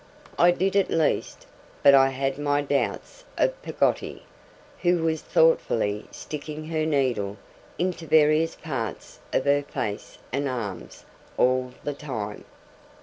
I did, at least; but I had my doubts of Peggotty, who was thoughtfully sticking her needle into various parts of her face and arms, all the time.